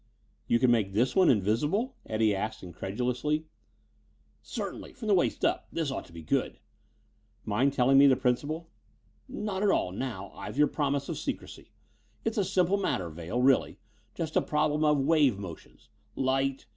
"You can make this one invisible?" Eddie asked incredulously. "Certainly from the waist up. This ought to be good." "Mind telling me the principle?" "Not at all now. I've your promise of secrecy. It's a simple matter, Vail, really. Just a problem of wave motions light.